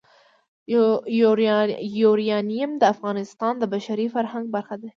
یورانیم د افغانستان د بشري فرهنګ برخه ده.